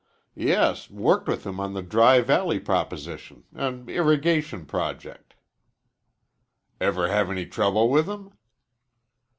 "Yes. Worked with him on the Dry Valley proposition, an irrigation project." "Ever have any trouble with him?"